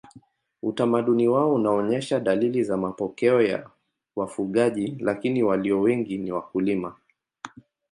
Utamaduni wao unaonyesha dalili za mapokeo ya wafugaji lakini walio wengi ni wakulima.